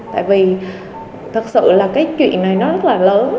tại vì thật sự là cái chuyện này nó rất là lớn